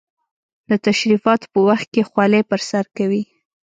د تشریفاتو په وخت کې خولۍ پر سر کوي.